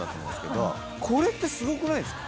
これってすごくないですか？